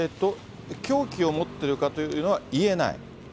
凶器を持ってるかというのは言えない？